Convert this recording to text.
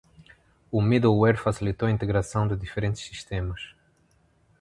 O middleware facilitou a integração de diferentes sistemas.